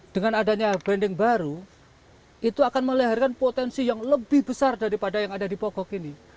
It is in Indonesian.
dengan adanya branding baru itu akan meleharkan potensi yang lebih besar daripada yang ada di pokok ini